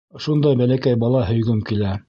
Шундай бәләкәй бала һөйгөм килә...